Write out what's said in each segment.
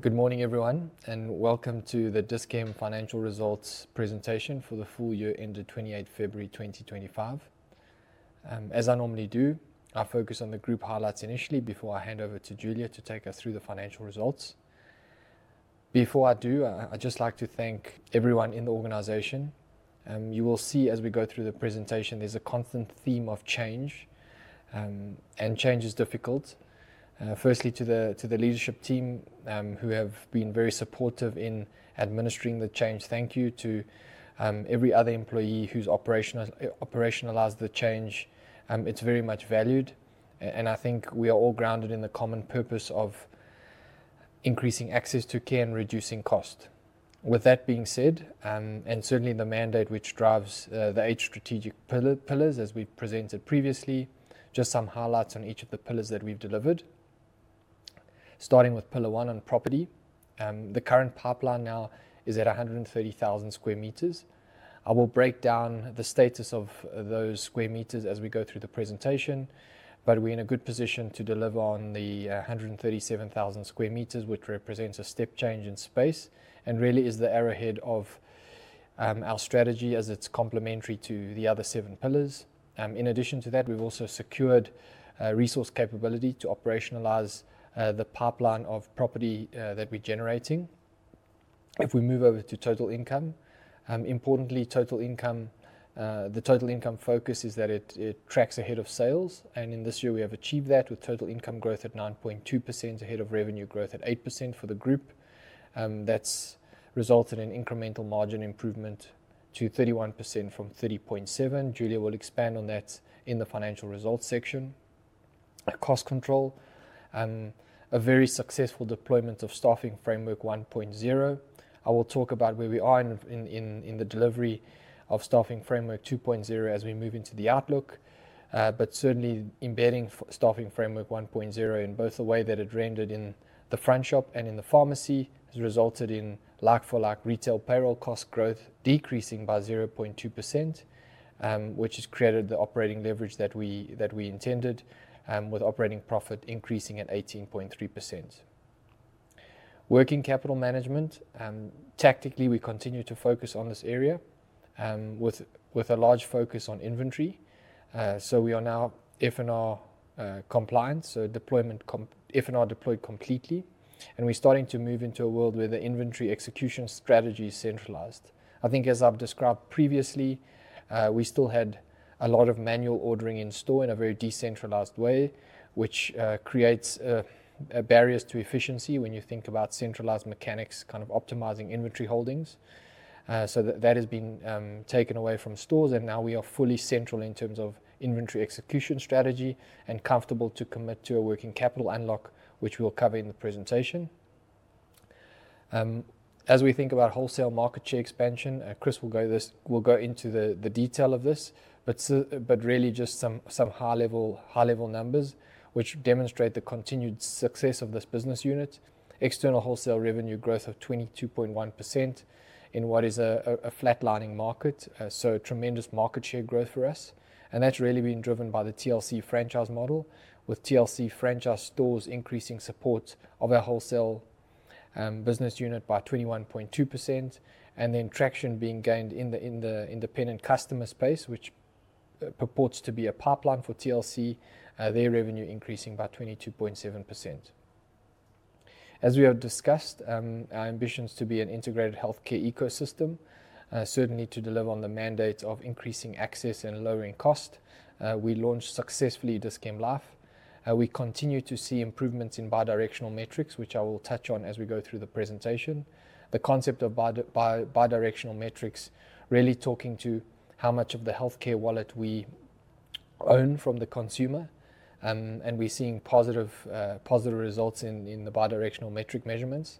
Good morning, everyone, and welcome to the Dis-Chem Financial Results Presentation for the full year ended 28 February 2025. As I normally do, I focus on the group highlights initially before I hand over to Julia to take us through the financial results. Before I do, I'd just like to thank everyone in the organization. You will see as we go through the presentation, there's a constant theme of change, and change is difficult. Firstly, to the leadership team who have been very supportive in administering the change, thank you to every other employee who's operationalized the change. It's very much valued, and I think we are all grounded in the common purpose of increasing access to care and reducing cost. With that being said, and certainly the mandate which drives the eight strategic pillars, as we presented previously, just some highlights on each of the pillars that we've delivered. Starting with pillar one on property, the current pipeline now is at 130,000 sq m. I will break down the status of those sq m as we go through the presentation, but we're in a good position to deliver on the 137,000 sq m, which represents a step change in space and really is the arrowhead of our strategy as it's complementary to the other seven pillars. In addition to that, we've also secured resource capability to operationalize the pipeline of property that we're generating. If we move over to total income, importantly, the total income focus is that it tracks ahead of sales, and in this year we have achieved that with total income growth at 9.2% ahead of revenue growth at 8% for the group. That's resulted in incremental margin improvement to 31% from 30.7%. Julia will expand on that in the financial results section. Cost control, a very successful deployment of staffing framework 1.0. I will talk about where we are in the delivery of staffing framework 2.0 as we move into the outlook, but certainly embedding staffing framework 1.0 in both the way that it rendered in the front shop and in the pharmacy has resulted in like-for-like retail payroll cost growth decreasing by 0.2%, which has created the operating leverage that we intended, with operating profit increasing at 18.3%. Working capital management, tactically we continue to focus on this area with a large focus on inventory. We are now F&R compliant, so F&R deployed completely, and we are starting to move into a world where the inventory execution strategy is centralized. I think as I've described previously, we still had a lot of manual ordering in store in a very decentralized way, which creates barriers to efficiency when you think about centralized mechanics kind of optimizing inventory holdings. That has been taken away from stores, and now we are fully central in terms of inventory execution strategy and comfortable to commit to a working capital unlock, which we'll cover in the presentation. As we think about wholesale market share expansion, Chris will go into the detail of this, but really just some high-level numbers which demonstrate the continued success of this business unit. External wholesale revenue growth of 22.1% in what is a flat-lining market, so tremendous market share growth for us, and that is really being driven by the TLC franchise model with TLC franchise stores increasing support of our wholesale business unit by 21.2%, and then traction being gained in the independent customer space, which purports to be a pipeline for TLC, their revenue increasing by 22.7%. As we have discussed, our ambitions to be an integrated healthcare ecosystem, certainly to deliver on the mandates of increasing access and lowering cost, we launched successfully Dis-Chem Life. We continue to see improvements in bi-directional metrics, which I will touch on as we go through the presentation. The concept of bi-directional metrics really talking to how much of the healthcare wallet we own from the consumer, and we are seeing positive results in the bi-directional metric measurements.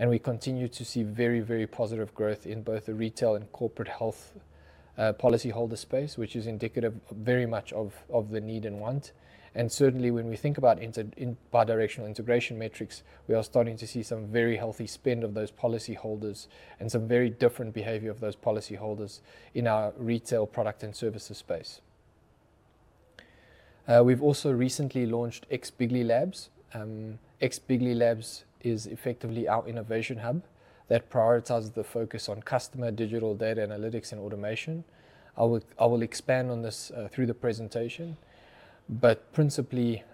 We continue to see very, very positive growth in both the retail and corporate health policyholder space, which is indicative very much of the need and want. Certainly when we think about bi-directional integration metrics, we are starting to see some very healthy spend of those policyholders and some very different behavior of those policyholders in our retail product and services space. We've also recently launched X, bigly labs. X, bigly labs is effectively our innovation hub that prioritizes the focus on customer digital data analytics and automation. I will expand on this through the presentation, but principally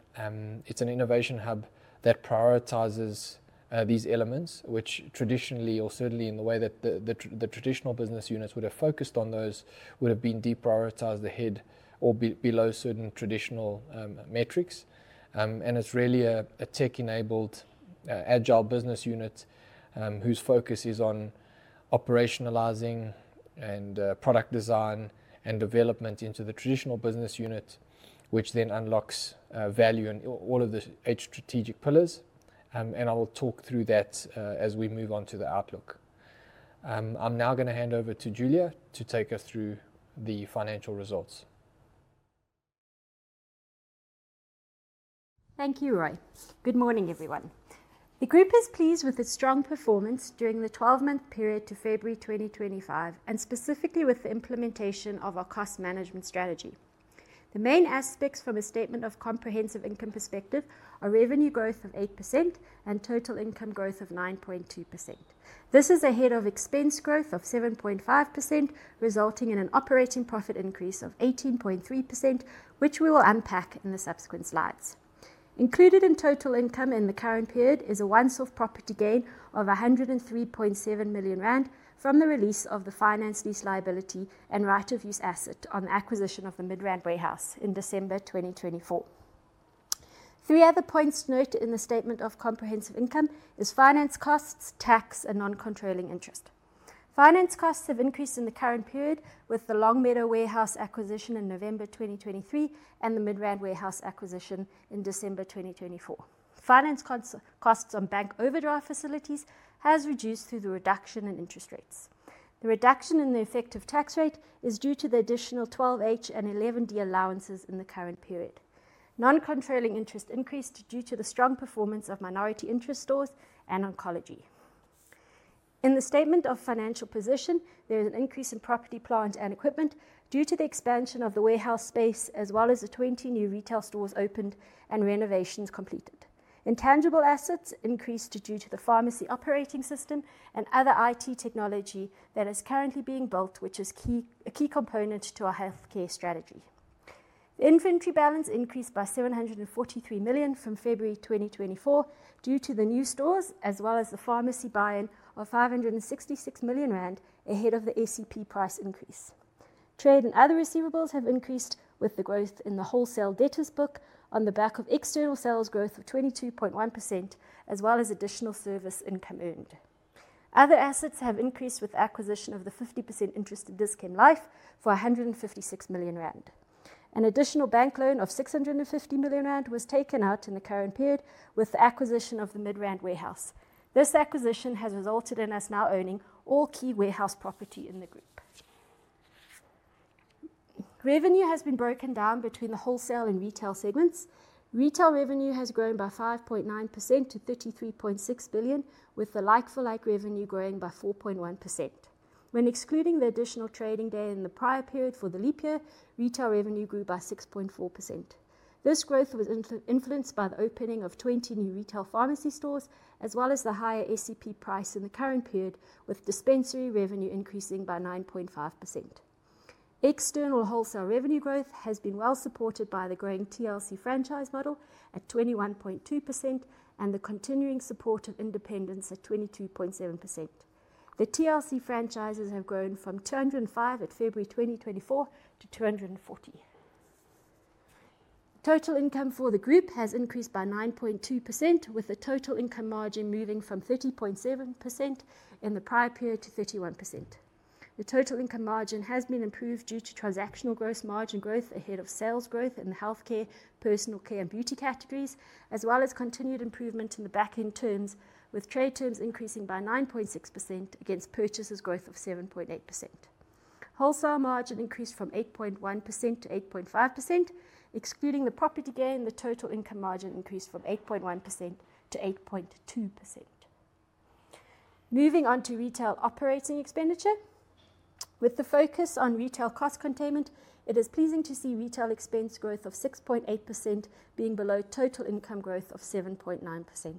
it's an innovation hub that prioritizes these elements, which traditionally, or certainly in the way that the traditional business units would have focused on, those would have been deprioritized ahead or below certain traditional metrics. It is really a tech-enabled agile business unit whose focus is on operationalizing and product design and development into the traditional business unit, which then unlocks value in all of the eight strategic pillars. I will talk through that as we move on to the outlook. I am now going to hand over to Julia to take us through the financial results. Thank you, Rui. Good morning, everyone. The group is pleased with its strong performance during the 12-month period to February 2025, and specifically with the implementation of our cost management strategy. The main aspects from a statement of comprehensive income perspective are revenue growth of 8% and total income growth of 9.2%. This is ahead of expense growth of 7.5%, resulting in an operating profit increase of 18.3%, which we will unpack in the subsequent slides. Included in total income in the current period is a one-off property gain of 103.7 million rand from the release of the finance lease liability and right of use asset on the acquisition of the Midrand Warehouse in December 2024. Three other points noted in the statement of comprehensive income are finance costs, tax, and non-controlling interest. Finance costs have increased in the current period with the Longmeadow Warehouse acquisition in November 2023 and the Midrand Warehouse acquisition in December 2024. Finance costs on bank overdraft facilities have reduced through the reduction in interest rates. The reduction in the effective tax rate is due to the additional 12H and 11D allowances in the current period. Non-controlling interest increased due to the strong performance of minority interest stores and oncology. In the statement of financial position, there is an increase in property, plant, and equipment due to the expansion of the warehouse space, as well as the 20 new retail stores opened and renovations completed. Intangible assets increased due to the pharmacy operating system and other IT technology that is currently being built, which is a key component to our healthcare strategy. Inventory balance increased by 743 million from February 2024 due to the new stores, as well as the pharmacy buy-in of 566 million rand ahead of the ACP price increase. Trade and other receivables have increased with the growth in the wholesale debtors book on the back of external sales growth of 22.1%, as well as additional service income earned. Other assets have increased with the acquisition of the 50% interest in Dis-Chem Life for 156 million rand. An additional bank loan of 650 million rand was taken out in the current period with the acquisition of the Midrand Warehouse. This acquisition has resulted in us now owning all key warehouse property in the group. Revenue has been broken down between the wholesale and retail segments. Retail revenue has grown by 5.9% to 33.6 billion, with the like-for-like revenue growing by 4.1%. When excluding the additional trading day in the prior period for the leap year, retail revenue grew by 6.4%. This growth was influenced by the opening of 20 new retail pharmacy stores, as well as the higher ACP price in the current period, with dispensary revenue increasing by 9.5%. External wholesale revenue growth has been well supported by the growing TLC franchise model at 21.2% and the continuing support of independents at 22.7%. The TLC franchises have grown from 205 at February 2024 to 240. Total income for the group has increased by 9.2%, with the total income margin moving from 30.7% in the prior period to 31%. The total income margin has been improved due to transactional gross margin growth ahead of sales growth in the healthcare, personal care, and beauty categories, as well as continued improvement in the back-end terms, with trade terms increasing by 9.6% against purchases growth of 7.8%. Wholesale margin increased from 8.1%-8.5%. Excluding the property gain, the total income margin increased from 8.1%-8.2%. Moving on to retail operating expenditure, with the focus on retail cost containment, it is pleasing to see retail expense growth of 6.8% being below total income growth of 7.9%.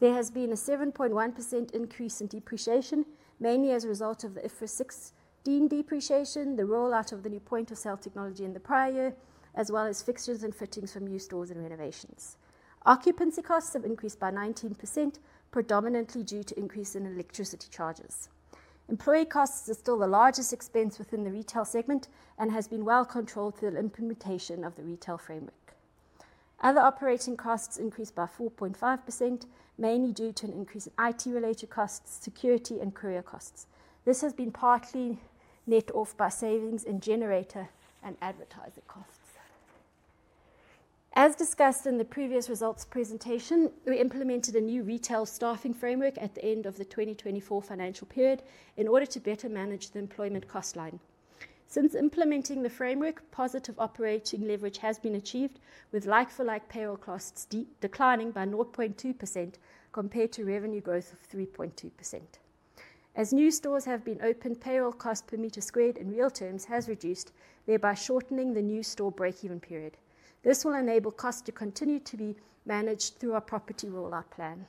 There has been a 7.1% increase in depreciation, mainly as a result of the IFRS 16 depreciation, the rollout of the new point of sale technology in the prior year, as well as fixtures and fittings from new stores and renovations. Occupancy costs have increased by 19%, predominantly due to increase in electricity charges. Employee costs are still the largest expense within the retail segment and have been well controlled through the implementation of the retail framework. Other operating costs increased by 4.5%, mainly due to an increase in IT-related costs, security, and courier costs. This has been partly net-off by savings in generator and advertising costs. As discussed in the previous results presentation, we implemented a new retail staffing framework at the end of the 2024 financial period in order to better manage the employment cost line. Since implementing the framework, positive operating leverage has been achieved, with like-for-like payroll costs declining by 0.2% compared to revenue growth of 3.2%. As new stores have been opened, payroll cost per meter squared in real terms has reduced, thereby shortening the new store break-even period. This will enable costs to continue to be managed through our property rollout plan.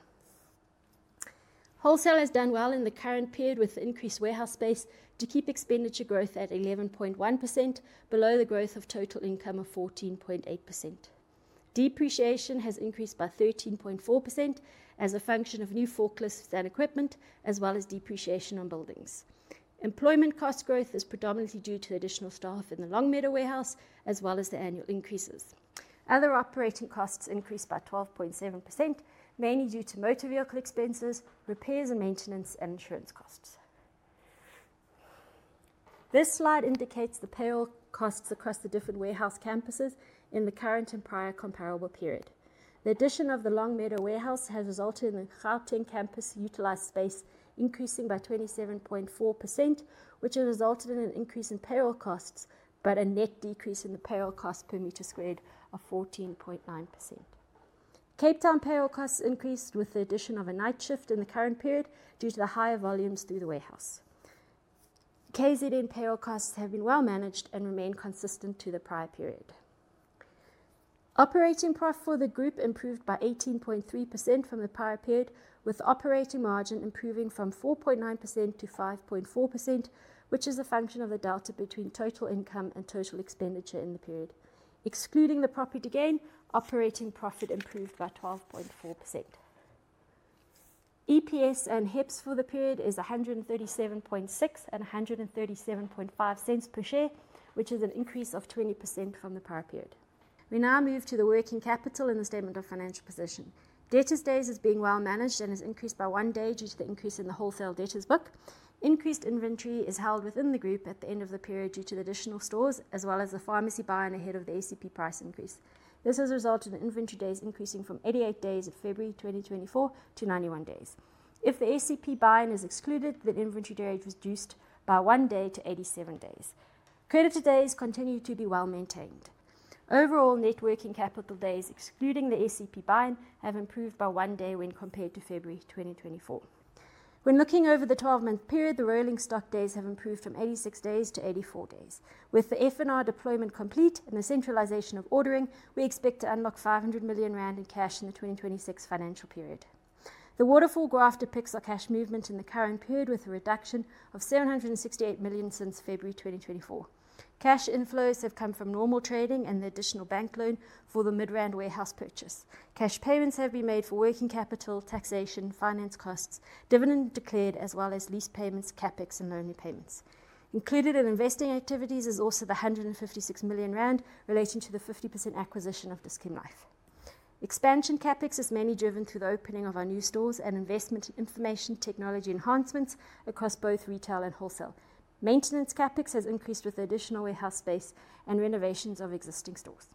Wholesale has done well in the current period with increased warehouse space to keep expenditure growth at 11.1%, below the growth of total income of 14.8%. Depreciation has increased by 13.4% as a function of new forklifts and equipment, as well as depreciation on buildings. Employment cost growth is predominantly due to additional staff in the Longmeadow Warehouse, as well as the annual increases. Other operating costs increased by 12.7%, mainly due to motor vehicle expenses, repairs and maintenance, and insurance costs. This slide indicates the payroll costs across the different warehouse campuses in the current and prior comparable period. The addition of the Longmeadow Warehouse has resulted in the Croughton campus utilized space increasing by 27.4%, which has resulted in an increase in payroll costs, but a net decrease in the payroll cost per meter squared of 14.9%. Cape Town payroll costs increased with the addition of a night shift in the current period due to the higher volumes through the warehouse. KZN payroll costs have been well managed and remain consistent to the prior period. Operating profit for the group improved by 18.3% from the prior period, with operating margin improving from 4.9%-5.4%, which is a function of the delta between total income and total expenditure in the period. Excluding the property gain, operating profit improved by 12.4%. EPS and HEPS for the period is 137.6 and 137.5 cents per share, which is an increase of 20% from the prior period. We now move to the working capital in the statement of financial position. Debtors' days are being well managed and have increased by one day due to the increase in the wholesale debtors book. Increased inventory is held within the group at the end of the period due to the additional stores, as well as the pharmacy buy-in ahead of the ACP price increase. This has resulted in inventory days increasing from 88 days in February 2024 to 91 days. If the ACP buy-in is excluded, the inventory days reduced by one day to 87 days. Creditor days continue to be well-maintained. Overall, net working capital days, excluding the ACP buy-in, have improved by one day when compared to February 2024. When looking over the 12-month period, the rolling stock days have improved from 86 days-84 days. With the F&R deployment complete and the centralization of ordering, we expect to unlock 500 million rand in cash in the 2026 financial period. The waterfall graph depicts our cash movement in the current period with a reduction of 768 million since February 2024. Cash inflows have come from normal trading and the additional bank loan for the Midrand Warehouse purchase. Cash payments have been made for working capital, taxation, finance costs, dividend declared, as well as lease payments, CapEx, and loan repayments. Included in investing activities is also the 156 million rand relating to the 50% acquisition of Dis-Chem Life. Expansion CapEx is mainly driven through the opening of our new stores and investment in information technology enhancements across both retail and wholesale. Maintenance CapEx has increased with additional warehouse space and renovations of existing stores.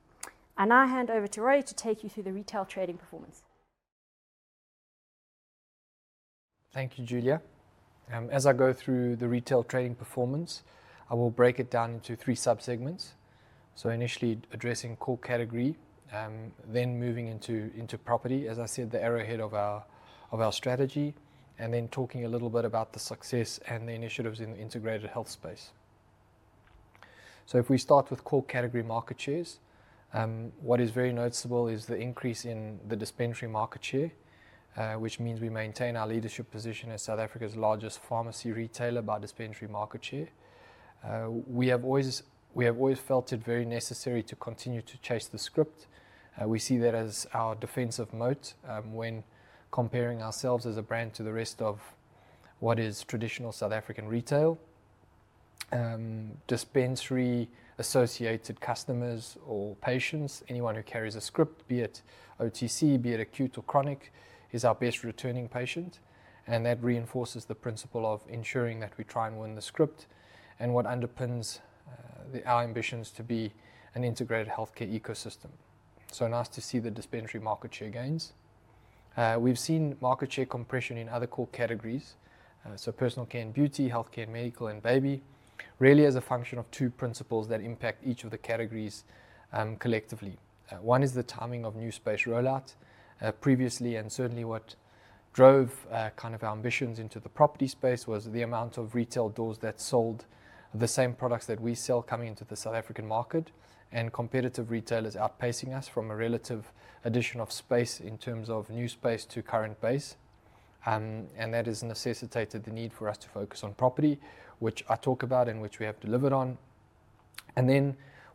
I now hand over to Rui to take you through the retail trading performance. Thank you, Julia. As I go through the retail trading performance, I will break it down into three sub-segments. Initially addressing core category, then moving into property, as I said, the arrowhead of our strategy, and then talking a little bit about the success and the initiatives in the integrated health space. If we start with core category market shares, what is very noticeable is the increase in the dispensary market share, which means we maintain our leadership position as South Africa's largest pharmacy retailer by dispensary market share. We have always felt it very necessary to continue to chase the script. We see that as our defensive moat when comparing ourselves as a brand to the rest of what is traditional South African retail. Dispensary-associated customers or patients, anyone who carries a script, be it OTC, be it acute or chronic, is our best returning patient. That reinforces the principle of ensuring that we try and win the script and what underpins our ambitions to be an integrated healthcare ecosystem. It is nice to see the dispensary market share gains. We have seen market share compression in other core categories, so personal care and beauty, healthcare, medical, and baby, really as a function of two principles that impact each of the categories collectively. One is the timing of new space rollout. Previously, and certainly what drove kind of our ambitions into the property space was the amount of retail doors that sold the same products that we sell coming into the South African market, and competitive retailers outpacing us from a relative addition of space in terms of new space to current base. That has necessitated the need for us to focus on property, which I talk about and which we have delivered on.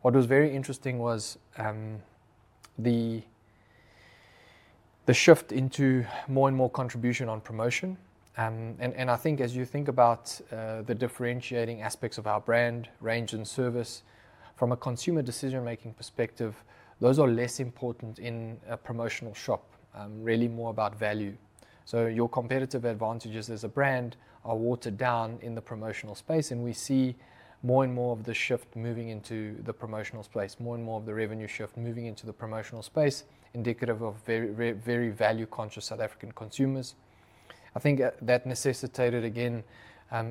What was very interesting was the shift into more and more contribution on promotion. I think as you think about the differentiating aspects of our brand, range, and service from a consumer decision-making perspective, those are less important in a promotional shop, really more about value. Your competitive advantages as a brand are watered down in the promotional space, and we see more and more of the shift moving into the promotional space, more and more of the revenue shift moving into the promotional space, indicative of very value-conscious South African consumers. I think that necessitated, again,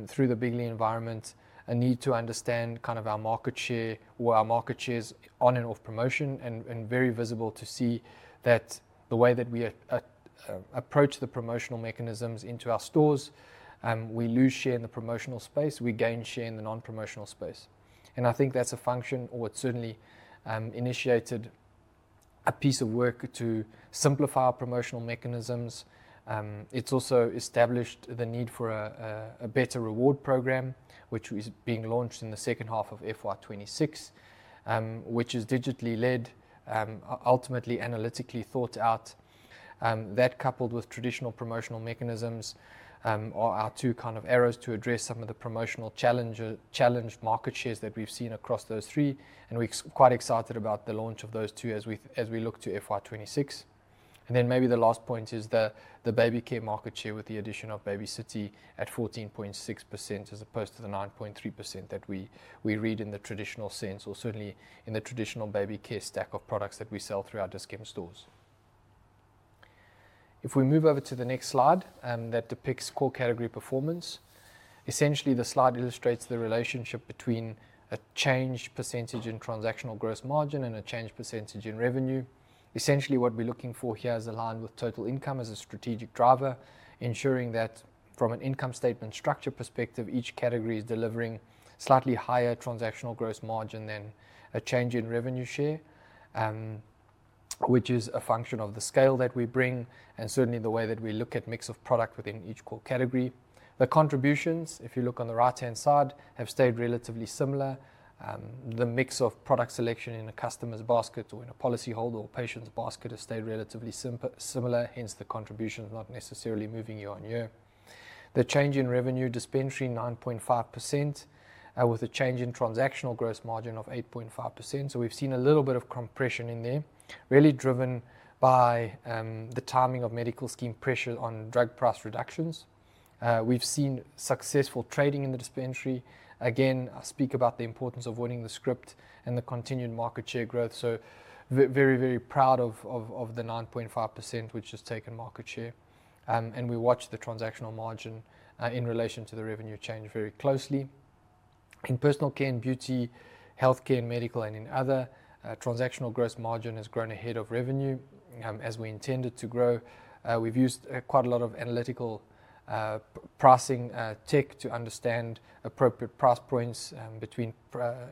through the bigly environment, a need to understand kind of our market share or our market shares on and off promotion, and very visible to see that the way that we approach the promotional mechanisms into our stores, we lose share in the promotional space, we gain share in the non-promotional space. I think that's a function, or it certainly initiated a piece of work to simplify our promotional mechanisms. It's also established the need for a better reward program, which is being launched in the second half of FY2026, which is digitally led, ultimately analytically thought out. That coupled with traditional promotional mechanisms are our two kind of arrows to address some of the promotional challenged market shares that we've seen across those three. We're quite excited about the launch of those two as we look to FY2026. Maybe the last point is the baby care market share with the addition of Baby City at 14.6% as opposed to the 9.3% that we read in the traditional sense, or certainly in the traditional baby care stack of products that we sell through our Dis-Chem stores. If we move over to the next slide that depicts core category performance, essentially the slide illustrates the relationship between a changed percentage in transactional gross margin and a changed percentage in revenue. Essentially what we're looking for here is aligned with total income as a strategic driver, ensuring that from an income statement structure perspective, each category is delivering slightly higher transactional gross margin than a change in revenue share, which is a function of the scale that we bring and certainly the way that we look at mix of product within each core category. The contributions, if you look on the right-hand side, have stayed relatively similar. The mix of product selection in a customer's basket or in a policyholder or patient's basket has stayed relatively similar, hence the contributions not necessarily moving year-on-year. The change in revenue dispensary 9.5% with a change in transactional gross margin of 8.5%. We have seen a little bit of compression in there, really driven by the timing of medical scheme pressure on drug price reductions. We have seen successful trading in the dispensary. Again, I speak about the importance of winning the script and the continued market share growth. I am very, very proud of the 9.5% which has taken market share. We watch the transactional margin in relation to the revenue change very closely. In personal care and beauty, healthcare and medical, and in other, transactional gross margin has grown ahead of revenue as we intended to grow. We've used quite a lot of analytical pricing tech to understand appropriate price points between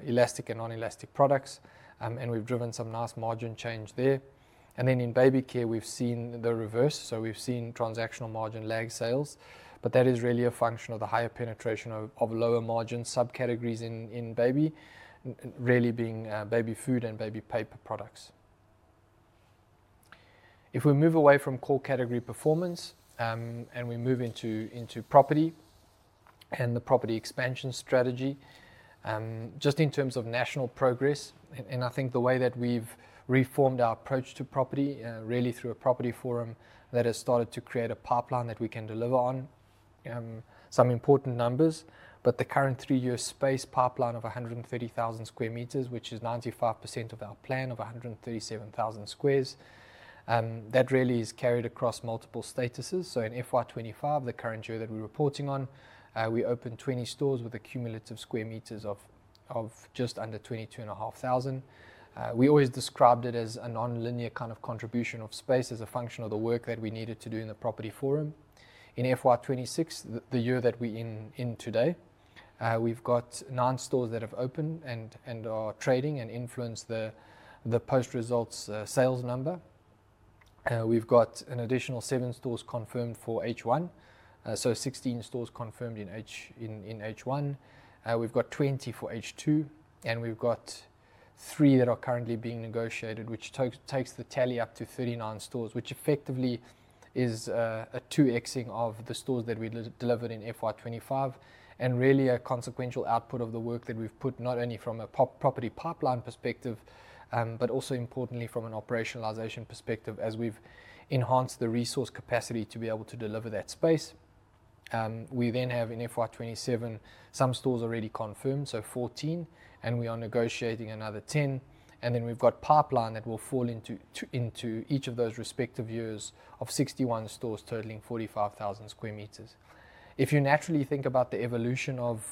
elastic and non-elastic products, and we've driven some nice margin change there. In baby care, we've seen the reverse. We've seen transactional margin lag sales, but that is really a function of the higher penetration of lower margin subcategories in baby, really being baby food and baby paper products. If we move away from core category performance and we move into property and the property expansion strategy, just in terms of national progress, and I think the way that we have reformed our approach to property, really through a property forum that has started to create a pipeline that we can deliver on some important numbers, but the current three-year space pipeline of 130,000 sq m, which is 95% of our plan of 137,000 sq m, that really is carried across multiple statuses. In FY2025, the current year that we are reporting on, we opened 20 stores with a cumulative sq m of just under 22,500. We always described it as a non-linear kind of contribution of space as a function of the work that we needed to do in the property forum. In FY2026, the year that we're in today, we've got nine stores that have opened and are trading and influence the post-results sales number. We've got an additional seven stores confirmed for H1, so 16 stores confirmed in H1. We've got 20 for H2, and we've got three that are currently being negotiated, which takes the tally up to 39 stores, which effectively is a 2xing of the stores that we delivered in FY2025 and really a consequential output of the work that we've put not only from a property pipeline perspective, but also importantly from an operationalization perspective as we've enhanced the resource capacity to be able to deliver that space. We then have in FY2027 some stores already confirmed, so 14, and we are negotiating another 10. And then we've got pipeline that will fall into each of those respective years of 61 stores totaling 45,000 sq m. If you naturally think about the evolution of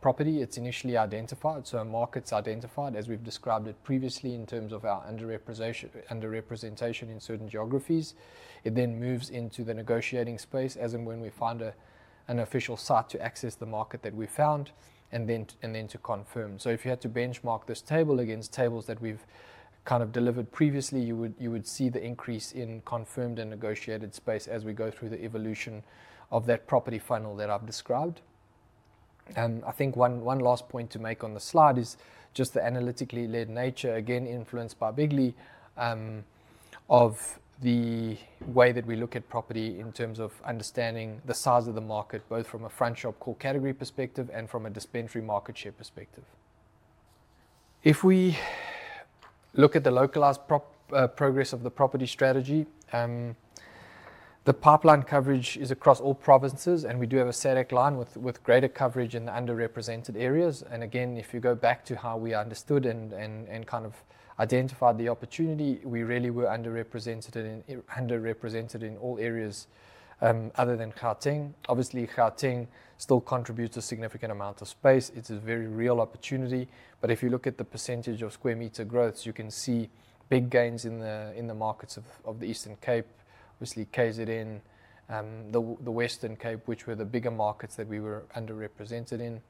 property, it's initially identified, so a market's identified as we've described it previously in terms of our underrepresentation in certain geographies. It then moves into the negotiating space as and when we find an official site to access the market that we found and then to confirm. If you had to benchmark this table against tables that we've kind of delivered previously, you would see the increase in confirmed and negotiated space as we go through the evolution of that property funnel that I've described. I think one last point to make on the slide is just the analytically led nature, again influenced by bigly of the way that we look at property in terms of understanding the size of the market, both from a franchise core category perspective and from a dispensary market share perspective. If we look at the localized progress of the property strategy, the pipeline coverage is across all provinces, and we do have a CEDEC line with greater coverage in the underrepresented areas. If you go back to how we understood and kind of identified the opportunity, we really were underrepresented in all areas other than Gauteng. Obviously, Gauteng still contributes a significant amount of space. It's a very real opportunity. If you look at the percentage of square meter growths, you can see big gains in the markets of the Eastern Cape, obviously KZN, the Western Cape, which were the bigger markets that we were underrepresented in.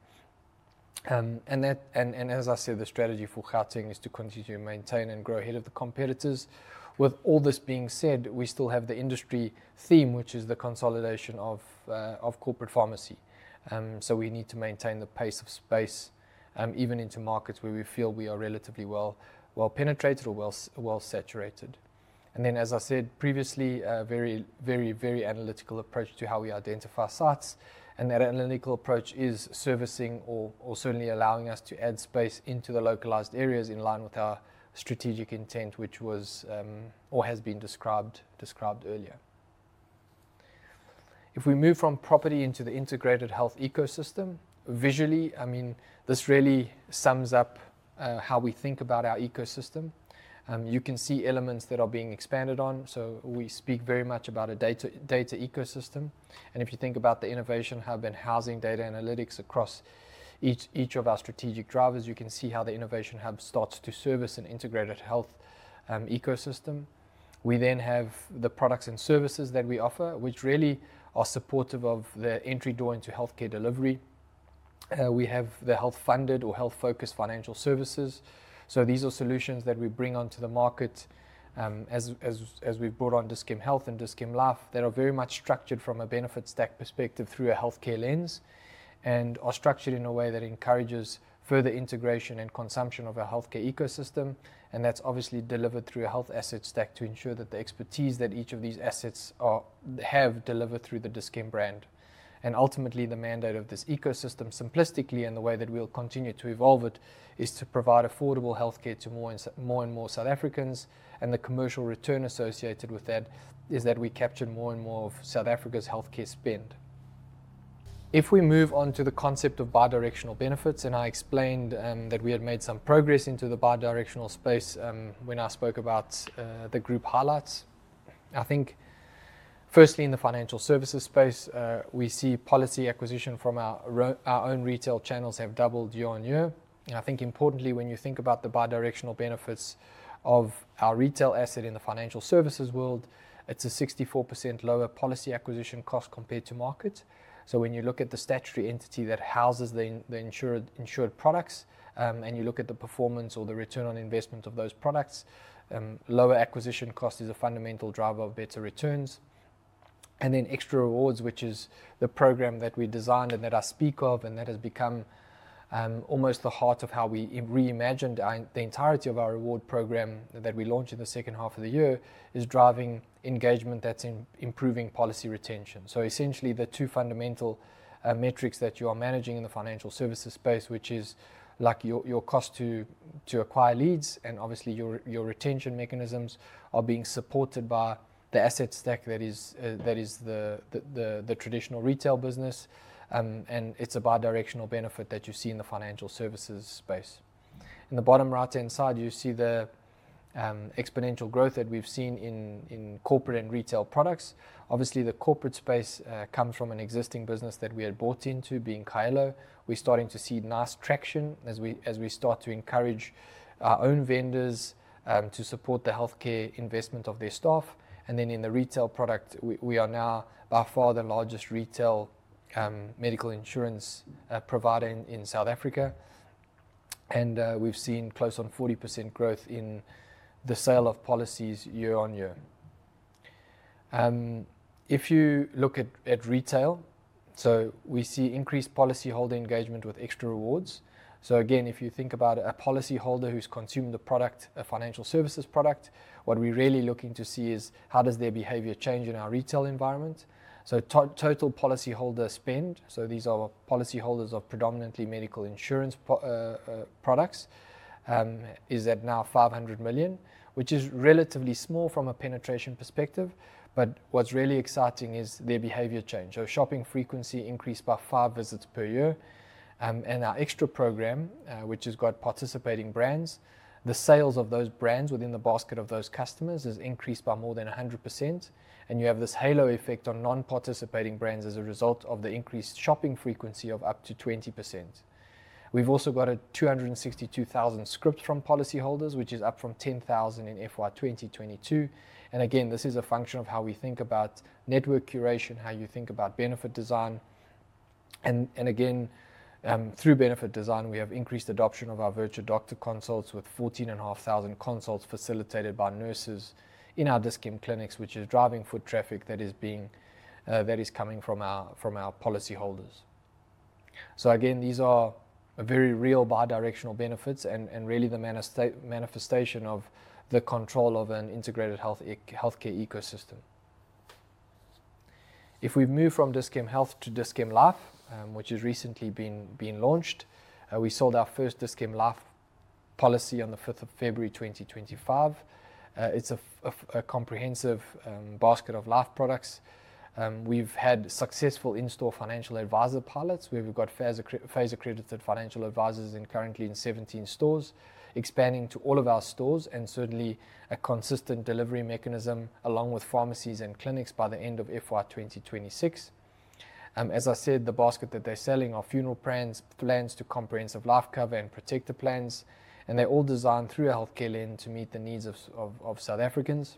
As I said, the strategy for Gauteng is to continue to maintain and grow ahead of the competitors. With all this being said, we still have the industry theme, which is the consolidation of corporate pharmacy. We need to maintain the pace of space even into markets where we feel we are relatively well-penetrated or well-saturated. As I said previously, a very, very, very analytical approach to how we identify sites. That analytical approach is servicing or certainly allowing us to add space into the localized areas in line with our strategic intent, which was or has been described earlier. If we move from property into the integrated health ecosystem, visually, I mean, this really sums up how we think about our ecosystem. You can see elements that are being expanded on. We speak very much about a data ecosystem. If you think about the innovation hub and housing data analytics across each of our strategic drivers, you can see how the innovation hub starts to service an integrated health ecosystem. We then have the products and services that we offer, which really are supportive of the entry door into healthcare delivery. We have the health-funded or health-focused financial services. These are solutions that we bring onto the market as we've brought on Dis-Chem Health and Dis-Chem Life. They are very much structured from a benefit stack perspective through a healthcare lens and are structured in a way that encourages further integration and consumption of our healthcare ecosystem. That is obviously delivered through a health asset stack to ensure that the expertise that each of these assets have is delivered through the Dis-Chem brand. Ultimately, the mandate of this ecosystem simplistically and the way that we'll continue to evolve it is to provide affordable healthcare to more and more South Africans. The commercial return associated with that is that we capture more and more of South Africa's healthcare spend. If we move on to the concept of bidirectional benefits, and I explained that we had made some progress into the bidirectional space when I spoke about the group highlights. I think firstly, in the financial services space, we see policy acquisition from our own retail channels have doubled year-on-year. I think importantly, when you think about the bidirectional benefits of our retail asset in the financial services world, it's a 64% lower policy acquisition cost compared to market. When you look at the statutory entity that houses the insured products and you look at the performance or the return on investment of those products, lower acquisition cost is a fundamental driver of better returns. ExtraRewards, which is the program that we designed and that I speak of and that has become almost the heart of how we reimagined the entirety of our reward program that we launched in the second half of the year, is driving engagement that's improving policy retention. Essentially, the two fundamental metrics that you are managing in the financial services space, which is your cost to acquire leads and obviously your retention mechanisms, are being supported by the asset stack that is the traditional retail business. It is a bidirectional benefit that you see in the financial services space. In the bottom right-hand side, you see the exponential growth that we've seen in corporate and retail products. Obviously, the corporate space comes from an existing business that we had bought into, being Kaelo. We're starting to see nice traction as we start to encourage our own vendors to support the healthcare investment of their staff. In the retail product, we are now by far the largest retail medical insurance provider in South Africa. We've seen close on 40% growth in the sale of policies year-on-year. If you look at retail, we see increased policyholder engagement with extraRewards. If you think about a policyholder who's consumed the financial services product, what we're really looking to see is how does their behavior change in our retail environment. Total policyholder spend, so these are policyholders of predominantly medical insurance products, is at now 500 million, which is relatively small from a penetration perspective. What's really exciting is their behavior change. Shopping frequency increased by five visits per year. Our extra program, which has got participating brands, the sales of those brands within the basket of those customers has increased by more than 100%. You have this halo effect on non-participating brands as a result of the increased shopping frequency of up to 20%. We have also got a 262,000 script from policyholders, which is up from 10,000 in FY2022. This is a function of how we think about network curation, how you think about benefit design. Through benefit design, we have increased adoption of our virtual doctor consults with 14,500 consults facilitated by nurses in our Dis-Chem clinics, which is driving foot traffic that is coming from our policyholders. These are very real bi-directional benefits and really the manifestation of the control of an integrated healthcare ecosystem. If we move from Dis-Chem Health to Dis-Chem Life, which has recently been launched, we sold our first Dis-Chem Life policy on the 5th of February, 2025. It's a comprehensive basket of life products. We've had successful in-store financial advisor pilots where we've got phase-accredited financial advisors currently in 17 stores, expanding to all of our stores and certainly a consistent delivery mechanism along with pharmacies and clinics by the end of FY2026. As I said, the basket that they're selling are funeral plans to comprehensive life cover and protective plans. They're all designed through a healthcare lens to meet the needs of South Africans.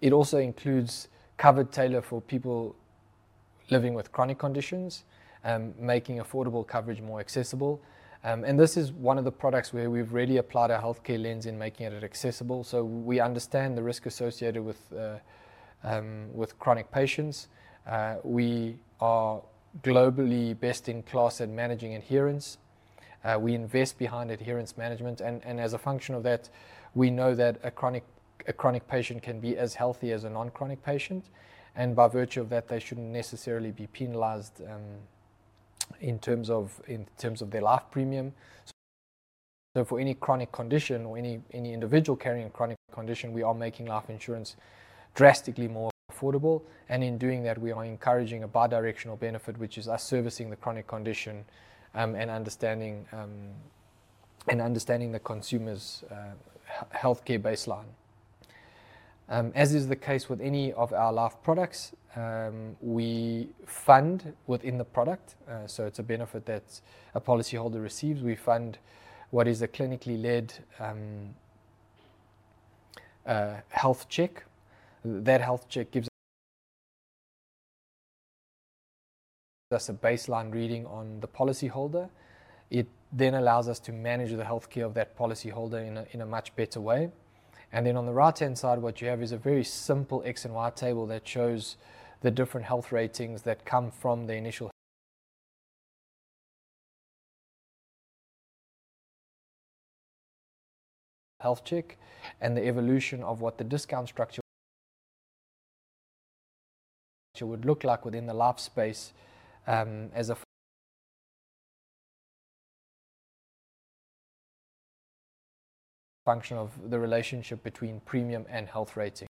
It also includes cover tailored for people living with chronic conditions, making affordable coverage more accessible. This is one of the products where we've really applied our healthcare lens in making it accessible. We understand the risk associated with chronic patients. We are globally best in class at managing adherence. We invest behind adherence management. As a function of that, we know that a chronic patient can be as healthy as a non-chronic patient. By virtue of that, they shouldn't necessarily be penalized in terms of their life premium. For any chronic condition or any individual carrying a chronic condition, we are making life insurance drastically more affordable. In doing that, we are encouraging a bidirectional benefit, which is us servicing the chronic condition and understanding the consumer's healthcare baseline. As is the case with any of our life products, we fund within the product. It's a benefit that a policyholder receives. We fund what is a clinically led health check. That health check gives us a baseline reading on the policyholder. It then allows us to manage the healthcare of that policyholder in a much better way. On the right-hand side, what you have is a very simple X and Y table that shows the different health ratings that come from the initial health check and the evolution of what the discount structure would look like within the life space as a function of the relationship between premium and health rating.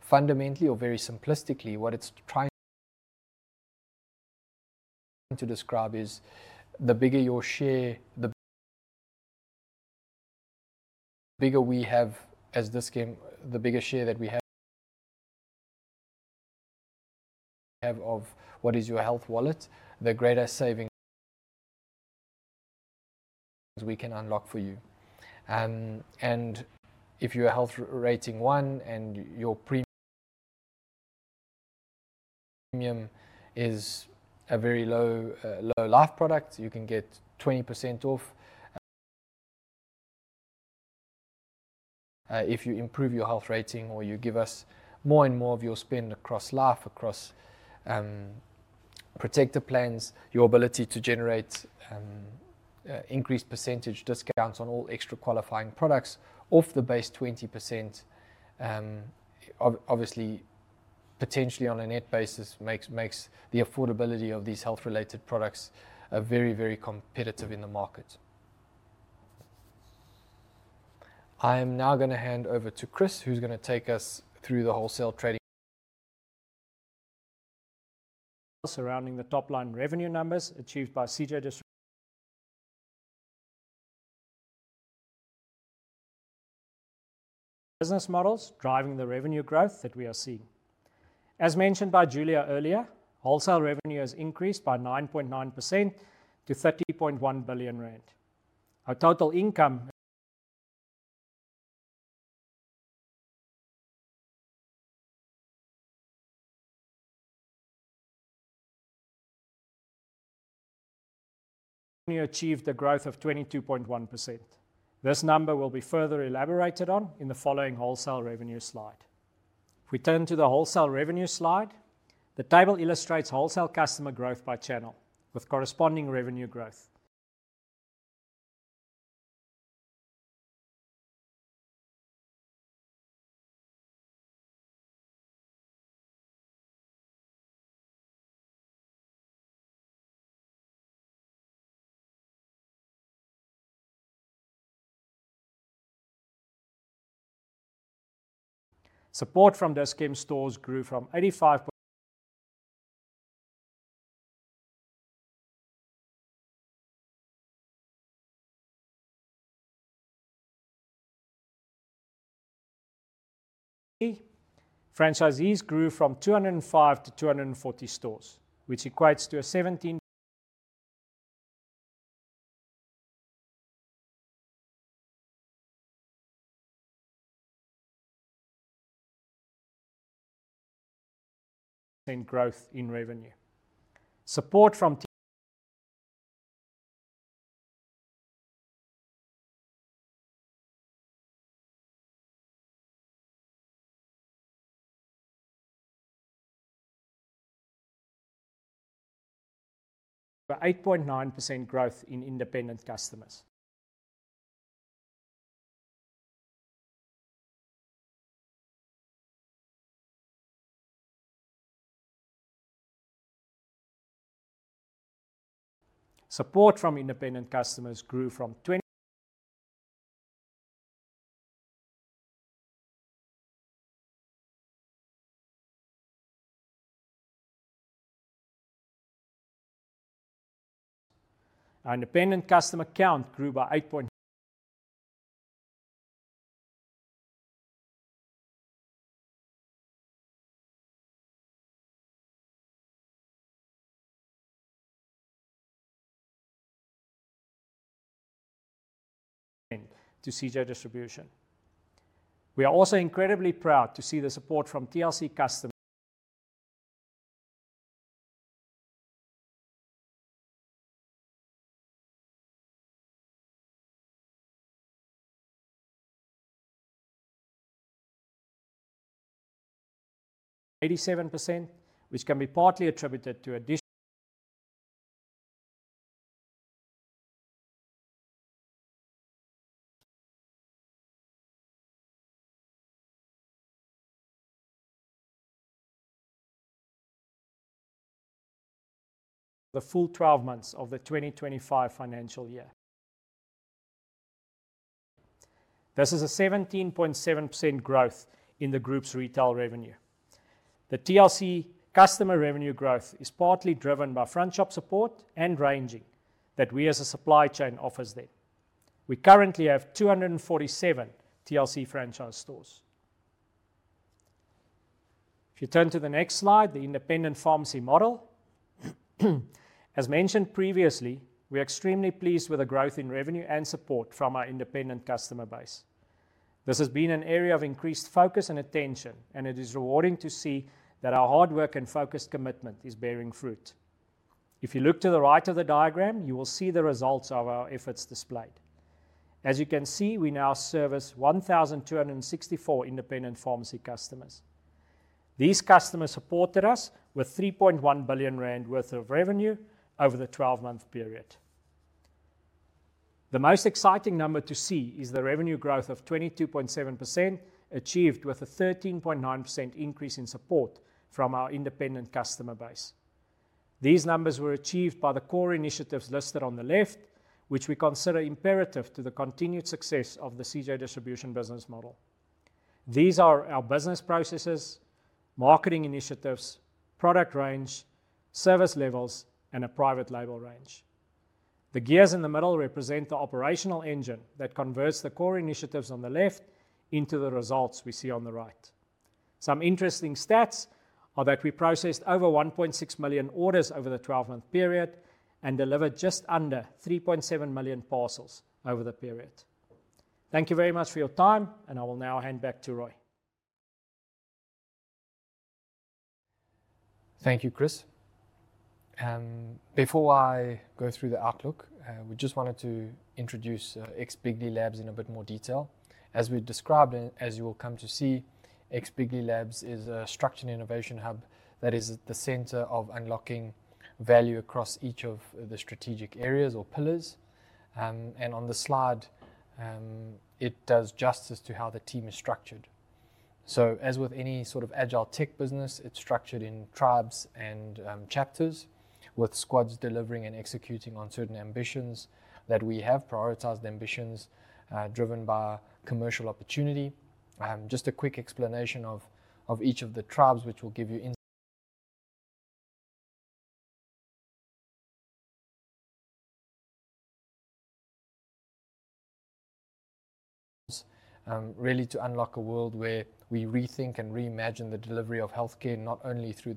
Fundamentally, or very simplistically, what it's trying to describe is the bigger your share, the bigger we have, as Dis-Chem, the bigger share that we have of what is your health wallet, the greater savings we can unlock for you. If you're a health rating one and your premium is a very low life product, you can get 20% off if you improve your health rating or you give us more and more of your spend across life, across protective plans, your ability to generate increased percentage discounts on all extra qualifying products off the base 20%, obviously, potentially on a net basis, makes the affordability of these health-related products very, very competitive in the market. I am now going to hand over to Chris, who's going to take us through the wholesale trading. Surrounding the top-line revenue numbers achieved by CJ Distribution Business Models driving the revenue growth that we are seeing. As mentioned by Julia earlier, wholesale revenue has increased by 9.9% to 30.1 billion rand. Our total income achieved a growth of 22.1%. This number will be further elaborated on in the following wholesale revenue slide. If we turn to the wholesale revenue slide, the table illustrates wholesale customer growth by channel with corresponding revenue growth. Support from Dis-Chem stores grew from 85%. Franchisees grew from 205-240 stores, which equates to a 17% growth in revenue. Support from 8.9% growth in independent customers. Support from independent customers grew from. Our independent customer count grew by 8. To CJ Distribution. We are also incredibly proud to see the support from TLC customers. 87%, which can be partly attributed to additional. The full 12 months of the 2025 financial year. This is a 17.7% growth in the group's retail revenue. The TLC customer revenue growth is partly driven by front shop support and ranging that we as a supply chain offer them. We currently have 247 TLC franchise stores. If you turn to the next slide, the independent pharmacy model. As mentioned previously, we are extremely pleased with the growth in revenue and support from our independent customer base. This has been an area of increased focus and attention, and it is rewarding to see that our hard work and focused commitment is bearing fruit. If you look to the right of the diagram, you will see the results of our efforts displayed. As you can see, we now service 1,264 independent pharmacy customers. These customers supported us with 3.1 billion rand worth of revenue over the 12-month period. The most exciting number to see is the revenue growth of 22.7% achieved with a 13.9% increase in support from our independent customer base. These numbers were achieved by the core initiatives listed on the left, which we consider imperative to the continued success of the CJ Distribution Business Model. These are our business processes, marketing initiatives, product range, service levels, and a private label range. The gears in the middle represent the operational engine that converts the core initiatives on the left into the results we see on the right. Some interesting stats are that we processed over 1.6 million orders over the 12-month period and delivered just under 3.7 million parcels over the period. Thank you very much for your time, and I will now hand back to Rui. Thank you, Chris. Before I go through the outlook, we just wanted to introduce X, bigly labs in a bit more detail. As we described, and as you will come to see, X, bigly labs is a structured innovation hub that is at the center of unlocking value across each of the strategic areas or pillars. On the slide, it does justice to how the team is structured. As with any sort of agile tech business, it's structured in tribes and chapters with squads delivering and executing on certain ambitions that we have prioritized, ambitions driven by commercial opportunity. Just a quick explanation of each of the tribes, which will give you insight really to unlock a world where we rethink and reimagine the delivery of healthcare not only through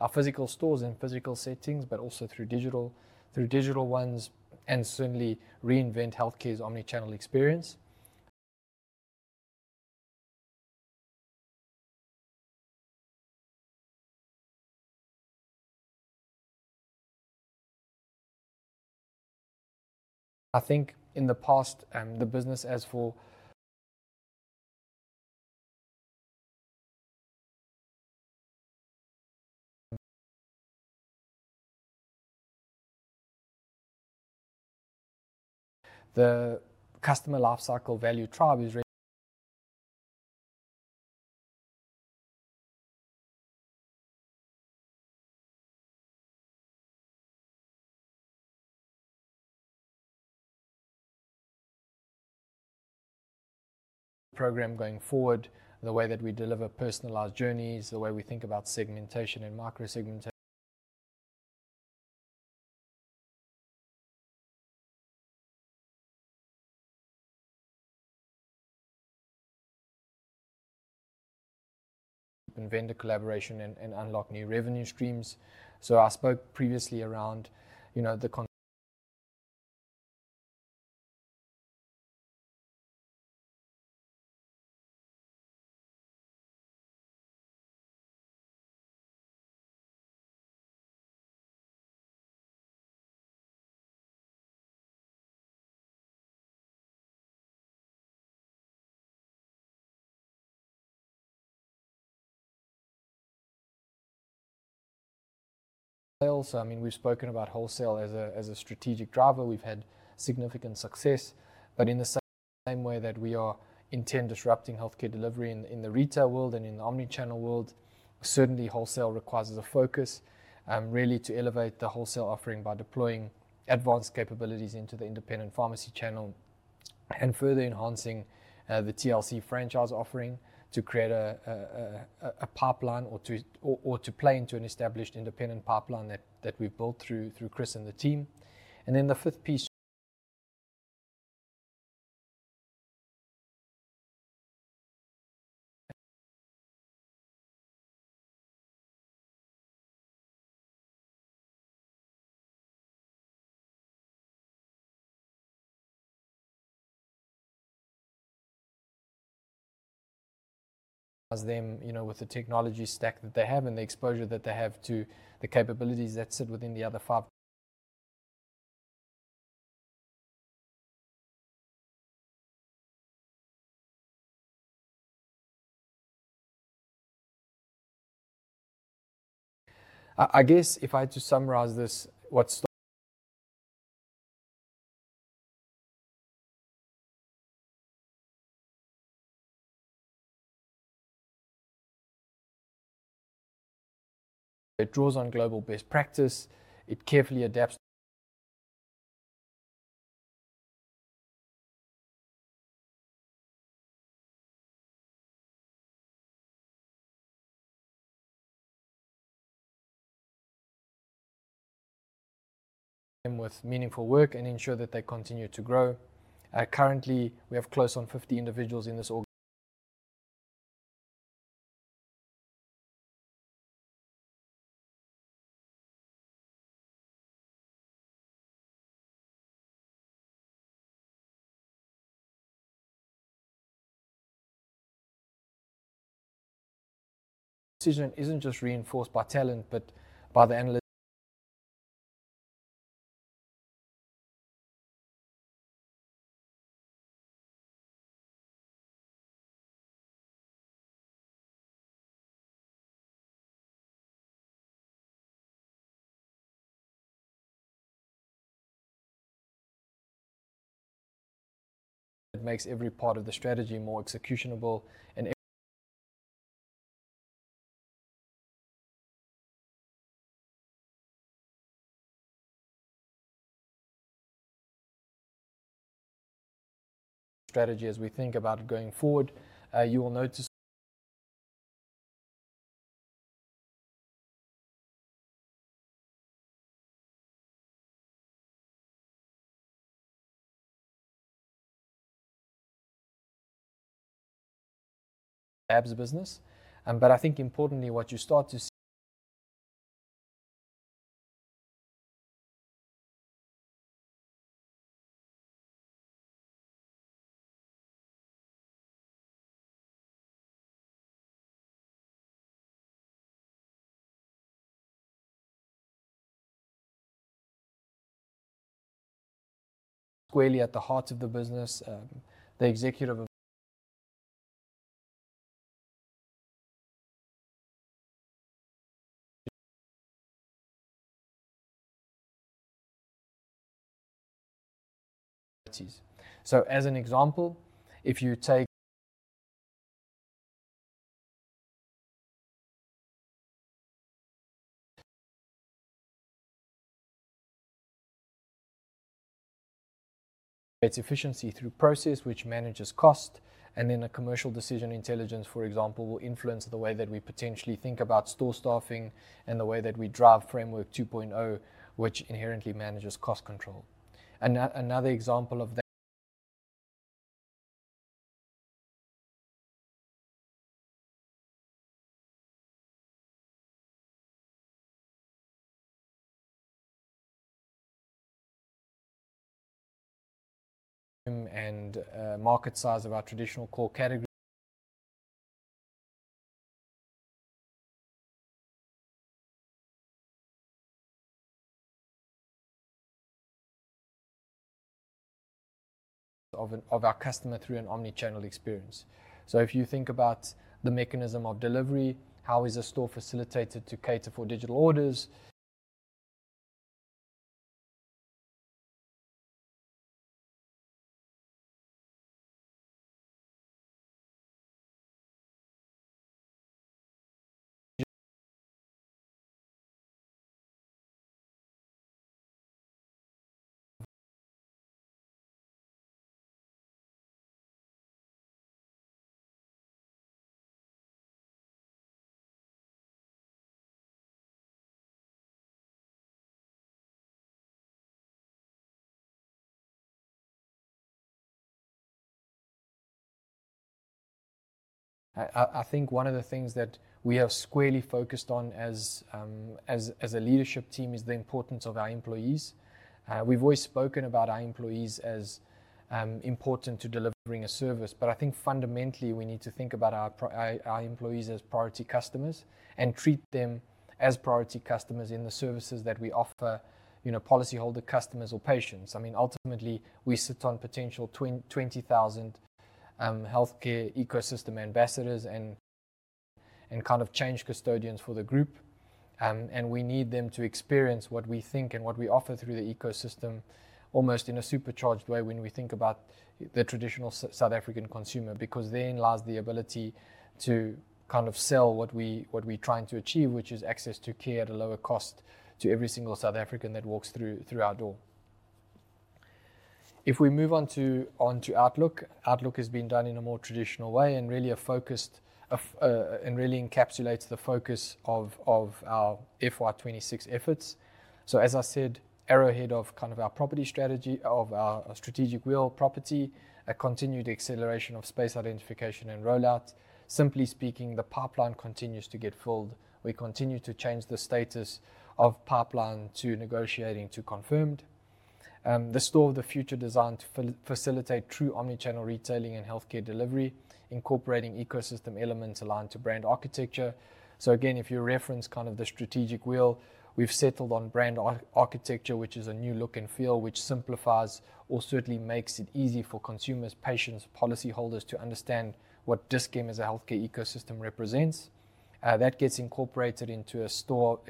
our physical stores and physical settings, but also through digital ones and certainly reinvent healthcare's omnichannel experience. I think in the past, the business as for. The customer life cycle value tribe is really. Program going forward, the way that we deliver personalized journeys, the way we think about segmentation and micro-segmentation. Inventor collaboration and unlock new revenue streams. I spoke previously around the. Sales. I mean, we've spoken about wholesale as a strategic driver. We've had significant success. In the same way that we intend disrupting healthcare delivery in the retail world and in the omnichannel world, certainly wholesale requires a focus really to elevate the wholesale offering by deploying advanced capabilities into the independent pharmacy channel and further enhancing the TLC franchise offering to create a pipeline or to play into an established independent pipeline that we've built through Chris and the team. The fifth piece, with the technology stack that they have and the exposure that they have to the capabilities that sit within the other five, I guess if I had to summarize this, it draws on global best practice. It carefully adapts with meaningful work and ensures that they continue to grow. Currently, we have close on 50 individuals in this. The decision isn't just reinforced by talent, but by the fact that it makes every part of the strategy more executionable. Strategy as we think about it going forward, you will notice. Labs business. I think importantly, what you start to. Squarely at the heart of the business, the executive. As an example, if you take. Its efficiency through process, which manages cost. A commercial decision intelligence, for example, will influence the way that we potentially think about store staffing and the way that we drive framework 2.0, which inherently manages cost control. Another example of. And market size of our traditional core category. Of our customer through an omnichannel experience. If you think about the mechanism of delivery, how is a store facilitated to cater for digital orders. I think one of the things that we have squarely focused on as a leadership team is the importance of our employees. We've always spoken about our employees as important to delivering a service, but I think fundamentally we need to think about our employees as priority customers and treat them as priority customers in the services that we offer. Policyholder customers or patients. I mean, ultimately, we sit on potential 20,000 healthcare ecosystem ambassadors and kind of change custodians for the group. We need them to experience what we think and what we offer through the ecosystem almost in a supercharged way when we think about the traditional South African consumer, because they enlarge the ability to kind of sell what we're trying to achieve, which is access to care at a lower cost to every single South African that walks through our door. If we move on to Outlook, Outlook has been done in a more traditional way and really encapsulates the focus of our FY2026 efforts. As I said, arrowhead of kind of our property strategy, of our strategic real property, a continued acceleration of space identification and rollout. Simply speaking, the pipeline continues to get filled. We continue to change the status of pipeline to negotiating to confirmed. The store of the future designed to facilitate true omnichannel retailing and healthcare delivery, incorporating ecosystem elements aligned to brand architecture. Again, if you reference kind of the strategic wheel, we've settled on brand architecture, which is a new look and feel which simplifies or certainly makes it easy for consumers, patients, policyholders to understand what Dis-Chem as a healthcare ecosystem represents. That gets incorporated into a store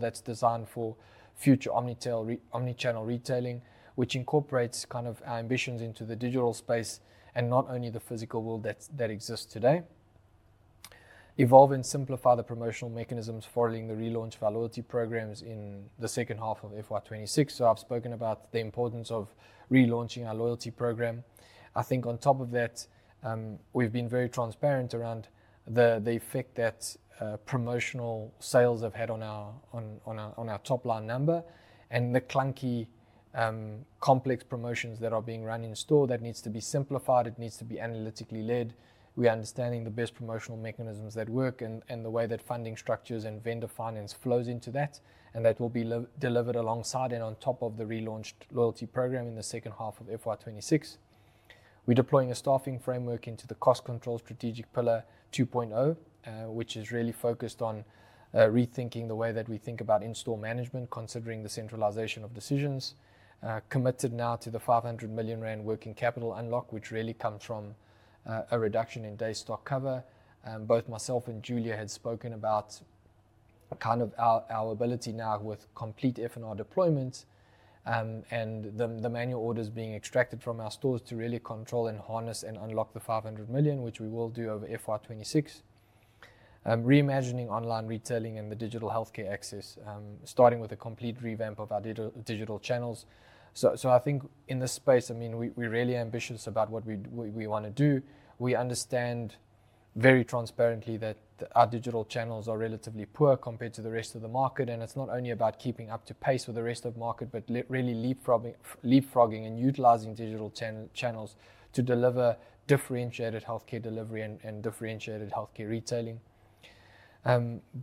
that's designed for future omnichannel retailing, which incorporates kind of our ambitions into the digital space and not only the physical world that exists today. Evolve and simplify the promotional mechanisms following the relaunch validity programs in the second half of FY2026. I have spoken about the importance of relaunching our loyalty program. I think on top of that, we have been very transparent around the effect that promotional sales have had on our top line number and the clunky, complex promotions that are being run in store that need to be simplified. It needs to be analytically led. We are understanding the best promotional mechanisms that work and the way that funding structures and vendor finance flow into that, and that will be delivered alongside and on top of the relaunched loyalty program in the second half of FY2026. We are deploying a staffing framework into the cost control strategic pillar 2.0, which is really focused on rethinking the way that we think about in-store management, considering the centralization of decisions. Committed now to the 500 million rand working capital unlock, which really comes from a reduction in day stock cover. Both myself and Julia had spoken about kind of our ability now with complete F&R deployments and the manual orders being extracted from our stores to really control and harness and unlock the 500 million, which we will do over FY2026. Reimagining online retailing and the digital healthcare access, starting with a complete revamp of our digital channels. I think in this space, I mean, we're really ambitious about what we want to do. We understand very transparently that our digital channels are relatively poor compared to the rest of the market. It's not only about keeping up to pace with the rest of the market, but really leapfrogging and utilizing digital channels to deliver differentiated healthcare delivery and differentiated healthcare retailing.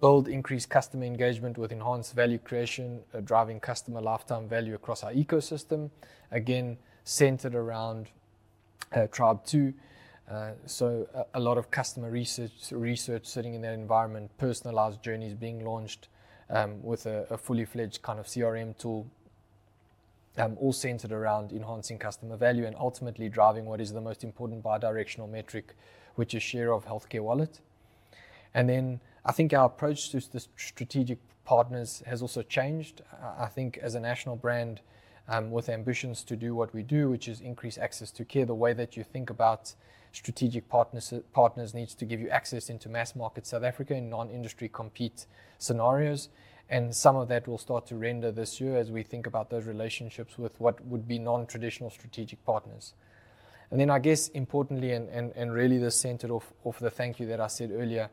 Build increased customer engagement with enhanced value creation, driving customer lifetime value across our ecosystem. Again, centered around tribe two. A lot of customer research sitting in that environment, personalized journeys being launched with a fully fledged kind of CRM tool, all centered around enhancing customer value and ultimately driving what is the most important bi-directional metric, which is share of healthcare wallet. I think our approach to the strategic partners has also changed. I think as a national brand with ambitions to do what we do, which is increase access to care, the way that you think about strategic partners needs to give you access into mass market South Africa and non-industry compete scenarios. Some of that will start to render this year as we think about those relationships with what would be non-traditional strategic partners. I guess importantly and really the center of the thank you that I said earlier,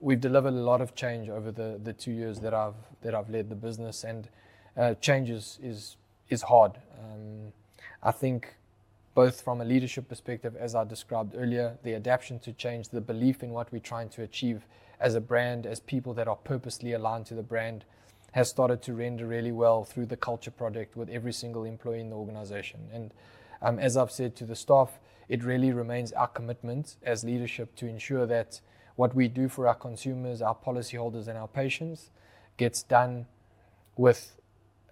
we've delivered a lot of change over the two years that I've led the business. Change is hard. I think both from a leadership perspective, as I described earlier, the adaption to change, the belief in what we're trying to achieve as a brand, as people that are purposely aligned to the brand has started to render really well through the culture project with every single employee in the organization. As I've said to the staff, it really remains our commitment as leadership to ensure that what we do for our consumers, our policyholders, and our patients gets done with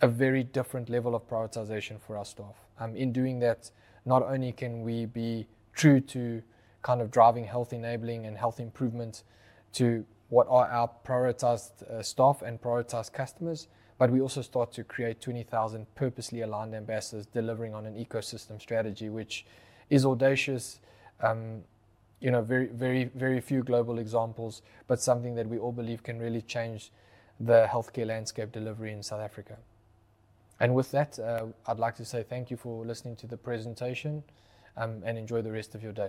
a very different level of prioritization for our staff. In doing that, not only can we be true to kind of driving health enabling and health improvement to what are our prioritized staff and prioritized customers, but we also start to create 20,000 purposely aligned ambassadors delivering on an ecosystem strategy, which is audacious. Very few global examples, but something that we all believe can really change the healthcare landscape delivery in South Africa. With that, I'd like to say thank you for listening to the presentation and enjoy the rest of your day.